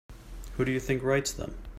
Who do you think writes them?